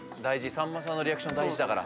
さんまさんのリアクション大事だから。